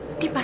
ibu di mana